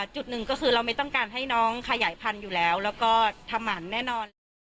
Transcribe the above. จุดหนึ่งก็คือเราไม่ต้องการให้น้องขยายพันธุ์อยู่แล้วแล้วก็ทำหมันแน่นอนแล้ว